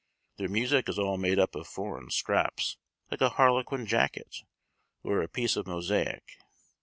Their music is all made up of foreign scraps, like a harlequin jacket, or a piece of mosaic.